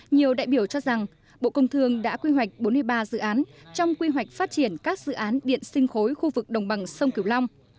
nhiều đại biểu cho rằng bộ công thương đã quy hoạch bốn mươi ba dự án trong quy hoạch phát triển các dự án điện sinh khối khu vực đồng bằng sông kiều long